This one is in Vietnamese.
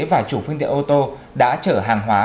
và chủ phương tiện ô tô đã chở hàng hóa